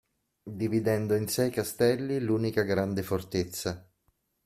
Dividendo in sei castelli l'unica grande fortezza.